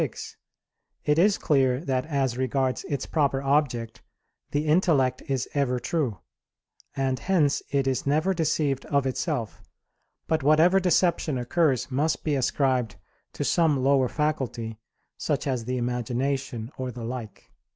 6), it is clear that as regards its proper object the intellect is ever true; and hence it is never deceived of itself; but whatever deception occurs must be ascribed to some lower faculty, such as the imagination or the like.